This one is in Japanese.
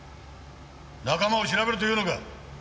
仲間を調べるというのか。